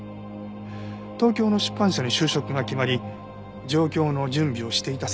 東京の出版社に就職が決まり上京の準備をしていた